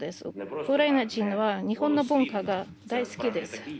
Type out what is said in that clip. ウクライナ人は日本の文化が大好きです。